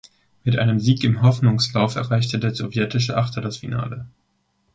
Mit einem Sieg im Hoffnungslauf erreichte der sowjetische Achter das Finale.